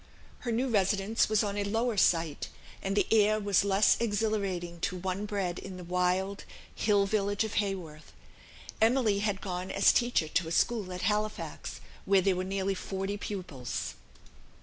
Her new residence was on a lower site, and the air was less exhilarating to one bred in the wild hill village of Haworth. Emily had gone as teacher to a school at Halifax, where there were nearly forty pupils.